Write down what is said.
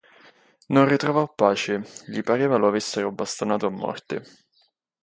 Non ritrovò pace; gli pareva lo avessero bastonato a morte.